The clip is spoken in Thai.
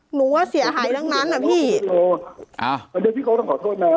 หนูว่าเสียหายดังนั้นอ่ะพี่อ่าเดี๋ยวพี่เขาต้องขอโทษน้ำ